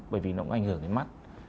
bởi vì nó cũng ảnh hưởng đến mắt